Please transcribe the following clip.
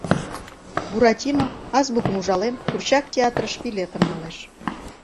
Буратино, азбукым ужален, курчак театрыш билетым налеш